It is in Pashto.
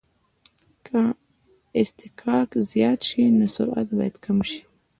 که اصطکاک زیات شي نو سرعت باید کم شي